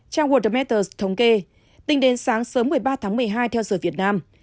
trong world matters thống kê tính đến sáng sớm một mươi ba tháng một mươi hai theo sở việt nam